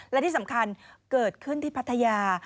และที่สำคัญเกิดขึ้นที่พัทยา